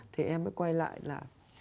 thì em mới quay lại là